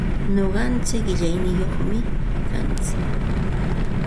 Nuqaichik qillaniyuqmi kaa.